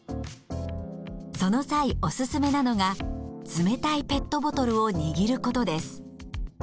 その際おすすめなのが冷たいペットボトルを握ることです。